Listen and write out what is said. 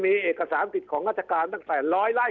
ให้แจ้งผู้ว่าราชการหวังไปใน๙๐วัน